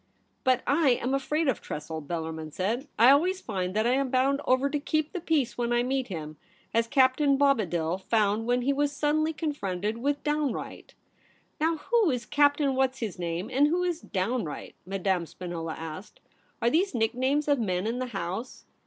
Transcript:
' But I am afraid of Tressel,' Bellarmin said ;* I always find that I am bound over to keep the peace when I meet him, as Captain Bobadil found when he was suddenly con fronted with Downright.' ' Now who is Captain What's his name, and who is Downright ?' Madame Spinola asked. ' Are these nicknames of men in the House